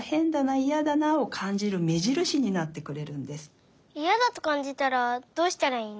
いやだとかんじたらどうしたらいいの？